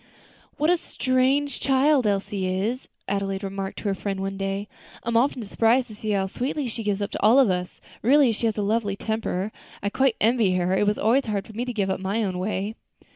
"What a strange child Elsie is?" Adelaide remarked to her friend one day. "I am often surprised to see how sweetly she gives up to all of us; really she has a lovely temper. I quite envy her; it was always hard for me to give up my own way."